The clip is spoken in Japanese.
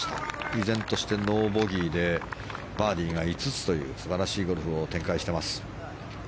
依然としてノーボギーでバーディーが５つという素晴らしいゴルフを展開しています。